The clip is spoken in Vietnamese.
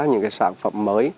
những sản phẩm mới